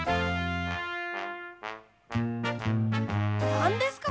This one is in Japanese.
なんですか？